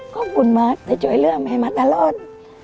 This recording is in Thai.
ขอบคุณมากแต่จ่วยเรื่องให้มัดอร่อย